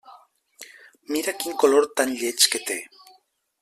Mira quin color tan lleig que té!